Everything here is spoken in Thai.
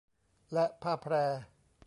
และผ้าแพร